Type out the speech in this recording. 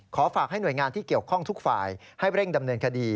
ฝากให้หน่วยงานที่เกี่ยวข้องทุกฝ่ายให้เร่งดำเนินคดี